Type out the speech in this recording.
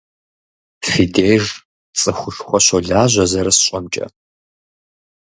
Фи деж цӀыхушхуэ щолажьэ, зэрысщӀэмкӀэ.